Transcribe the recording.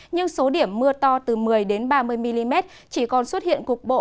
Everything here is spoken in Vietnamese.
nhưng số điểm mưa to từ một mươi ba mươi mm chỉ còn xuất hiện cục bộ